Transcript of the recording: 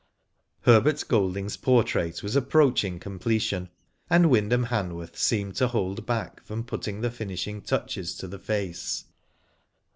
Herbert Gelding's portrait was approaching com. pletion, and Wyndham Hanworth seemed to hold back from putting the finishing touches to the face.